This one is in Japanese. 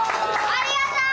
ありがとう！